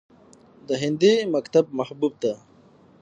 د هندي مکتب محبوب ته